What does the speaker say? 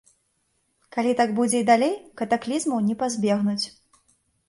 Калі так будзе і далей, катаклізмаў не пазбегнуць.